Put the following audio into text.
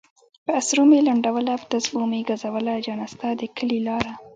پہ اسرو میی لنڈولہ پہ تسپو میی گزولہ جانہ! ستا د کلی لارہ